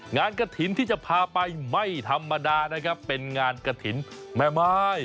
กระถิ่นที่จะพาไปไม่ธรรมดานะครับเป็นงานกระถิ่นแม่ไม้